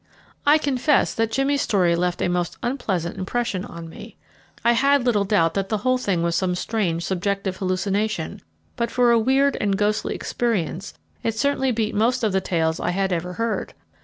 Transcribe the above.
I confess that Jimmy's story had left a most unpleasant impression on me. I had little doubt that the whole thing was some strange subjective hallucination, but for a weird and ghostly experience it certainly beat most of the tales I had ever heard.